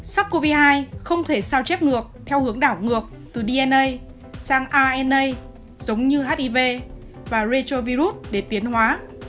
sars cov hai không thể sao chép ngược theo hướng đảo ngược từ dna sang ana giống như hiv và retavirus để tiến hóa